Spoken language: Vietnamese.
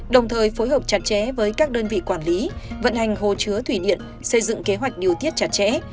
đồng thời phối hợp chặt chẽ với các đơn vị quản lý vận hành hồ chứa thủy điện xây dựng kế hoạch điều tiết chặt chẽ